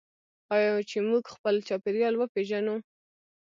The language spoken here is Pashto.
آیا چې موږ خپل چاپیریال وپیژنو؟